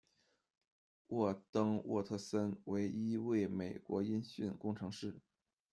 沃登·沃特森为一位美国音讯工程师。